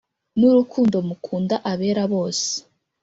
n’urukundo mukunda abera bose